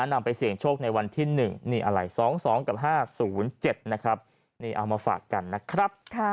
นำไปเสี่ยงโชคในวันที่๑๒๒๕๕๐๗เอามาฝากกันนะครับ